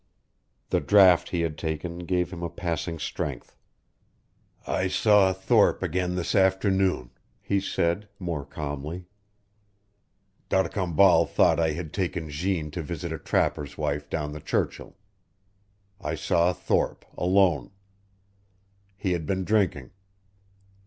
The draught he had taken gave him a passing strength. "I saw Thorpe again this afternoon," he said, more calmly. "D'Arcambal thought I had taken Jeanne to visit a trapper's wife down the Churchill. I saw Thorpe alone. He had been drinking.